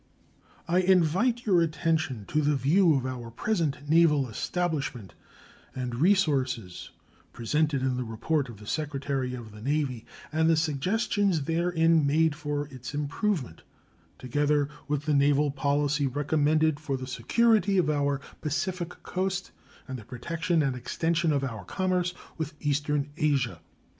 I invite your attention to the view of our present naval establishment and resources presented in the report of the Secretary of the Navy, and the suggestions therein made for its improvement, together with the naval policy recommended for the security of our Pacific Coast and the protection and extension of our commerce with eastern Asia.